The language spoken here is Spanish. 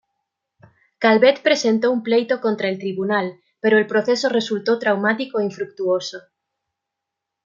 Calvet presentó un pleito contra el tribunal pero el proceso resultó traumático e infructuoso.